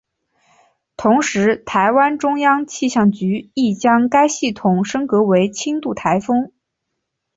同时台湾中央气象局亦将该系统升格为轻度台风。